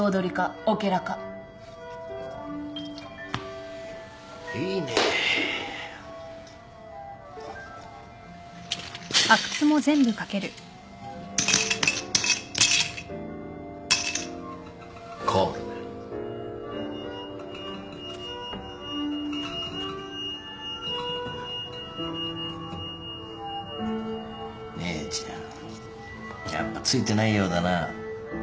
姉ちゃんやっぱついてないようだな。